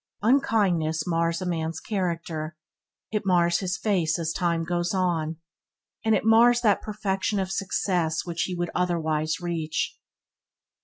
Unkindness mars a man's character, it mars his face as time goes on, and it mars that perfection of success which he would otherwise reach.